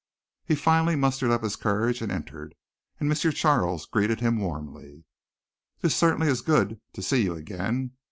He finally mustered up his courage and entered and M. Charles greeted him warmly. "This certainly is good, to see you again.